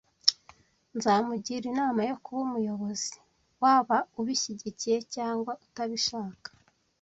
Nzamugira inama yo kuba umuyobozi, waba ubishyigikiye cyangwa utabishaka.